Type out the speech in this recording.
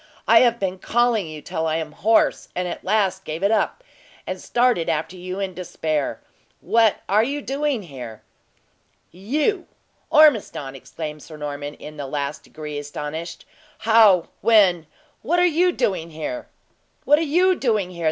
"I have been calling you till I am hoarse, and at last gave it up, and started after you in despair. What are you doing here?" "You, Ormiston!" exclaimed Sir Norman, in the last degree astonished. "How when what are you doing here?" "What are you doing here?